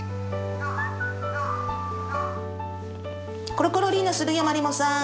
コロコロリーナするよマリモさん。